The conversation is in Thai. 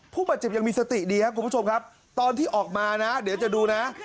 ผู้บาดเจ็บยังมีสติดีครับคุณผู้ชมครับตอนที่ออกมานะเดี๋ยวจะดูนะ